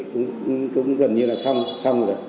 cũng cũng gần như là xong xong rồi